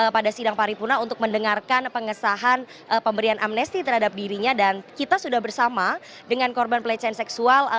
pada sidang paripurna untuk mendengarkan pengesahan pemberian amnesti terhadap dirinya dan kita sudah bersama dengan korban pelecehan seksual